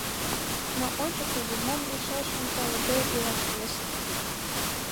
Но, ончыкыжо мо лийшашым палыде, илаш йӧсӧ.